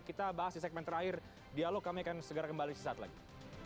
kita bahas di segmen terakhir dialog kami akan segera kembali sesaat lagi